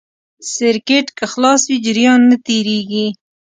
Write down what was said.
سرکټ که خلاص وي جریان نه تېرېږي.